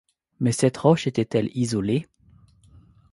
Mais cette roche était-elle isolée?